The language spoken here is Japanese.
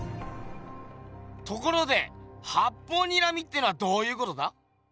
ところで八方睨みってのはどういうことだ？